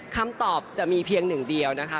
คำตอบจะมีเพียงหนึ่งเดียวนะคะ